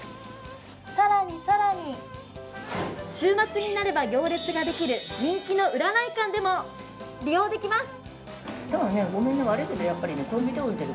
更に、更に週末になれば行列ができる人気の占い館でも利用できます。